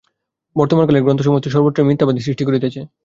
বর্তমানকালে গ্রন্থসমূহই সর্বত্র মিথ্যাবাদী সৃষ্টি করিতেছে।